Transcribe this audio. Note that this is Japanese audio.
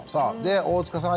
大塚さん